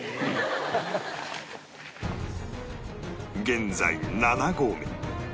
現在７合目